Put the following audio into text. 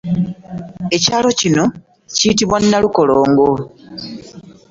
Eyalo kino kiyitibwa Nalukolongo.